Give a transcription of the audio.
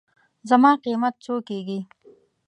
زما قېمت څو کېږي.